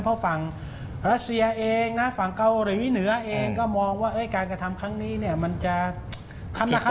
เพราะฝั่งรัสเซียเองนะฝั่งเกาหลีเหนือเองก็มองว่าการกระทำครั้งนี้เนี่ยมันจะคำราคา